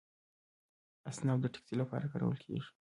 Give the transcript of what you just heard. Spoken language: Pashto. اسنپ د ټکسي لپاره کارول کیږي.